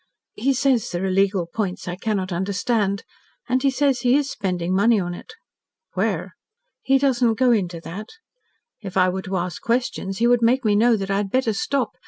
"He says there are legal points I cannot understand. And he says he is spending money on it." "Where?" "He doesn't go into that. If I were to ask questions, he would make me know that I had better stop.